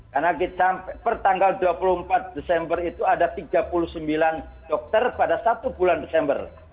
karena kita sampai per tanggal dua puluh empat desember itu ada tiga puluh sembilan dokter pada satu bulan desember